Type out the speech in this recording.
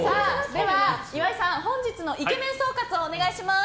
では岩井さん本日のイケメン総括をお願いします。